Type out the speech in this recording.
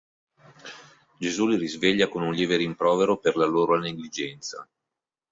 Gesù li risveglia con un lieve rimprovero per la loro negligenza.